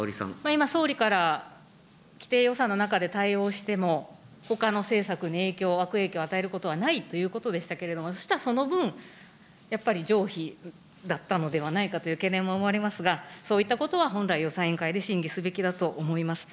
今、総理から、規定予算の中で対応しても、ほかの政策に影響、悪影響を与えることはないということでしたけれども、そうしたらその分、やっぱり冗費だったのではないかという懸念も生まれますが、そういったことは本来、予算委員会で審議すべきだと思います。